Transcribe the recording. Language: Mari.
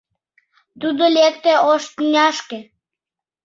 Тудо лекте ош тӱняшке.